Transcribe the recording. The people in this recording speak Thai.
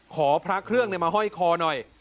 ขอพระเครื่องมาห้อยคอหน่อย